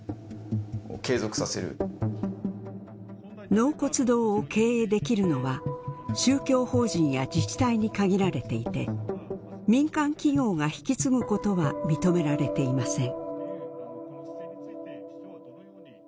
納骨堂を経営できるのは宗教法人や自治体に限られていて民間企業が引き継ぐことは認められていません。